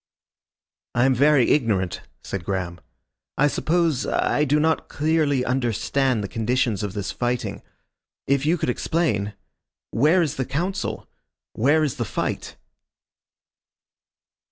"I am very ignorant," said Graham. "I suppose I do not clearly understand the conditions of this fighting. If you could explain. Where is the Council? Where is the fight?"